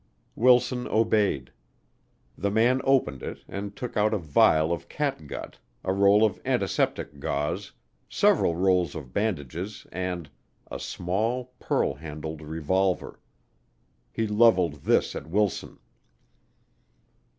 Wilson obeyed. The man opened it and took out a vial of catgut, a roll of antiseptic gauze, several rolls of bandages, and a small, pearl handled revolver. He levelled this at Wilson.